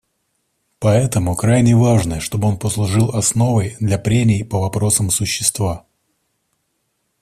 Поэтому крайне важно, чтобы он послужил основой для прений по вопросам существа.